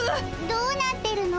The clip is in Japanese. どうなってるの？